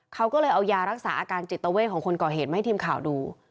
เขาก็เลยเอายารักษาอาการจิตเวทของคนก่อเหตุมาให้ทีมข่าวดู